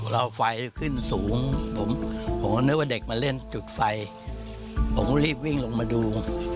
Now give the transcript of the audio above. เราไฟขึ้นสูงผมผมก็นึกว่าเด็กมาเล่นจุดไฟผมก็รีบวิ่งลงมาดู